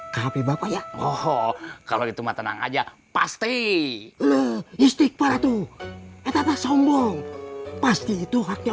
hp bapak ya oh kalau itu matenang aja pasti listrik para tuh etata sombong pasti itu haknya